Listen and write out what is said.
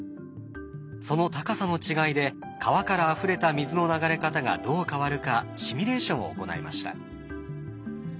その高さの違いで川からあふれた水の流れ方がどう変わるかシミュレーションを行いました。